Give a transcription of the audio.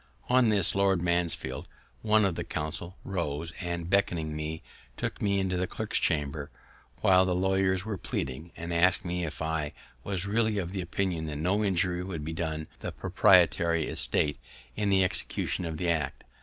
On this, Lord Mansfield, one of the counsel, rose, and beckoning me took me into the clerk's chamber, while the lawyers were pleading, and asked me if I was really of opinion that no injury would be done the proprietary estate in the execution of the act.